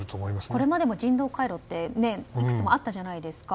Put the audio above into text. これまでも人道回廊っていくつもあったじゃないですか。